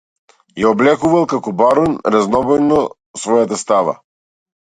Ја облекувал како барон разнобојно својата става.